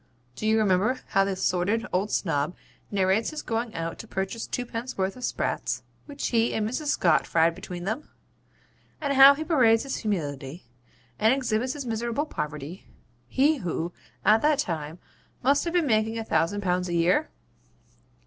Do you remember how the sordid old Snob narrates his going out to purchase twopence worth of sprats, which he and Mrs. Scott fried between them? And how he parades his humility, and exhibits his miserable poverty he who, at that time, must have been making a thousand pounds a year?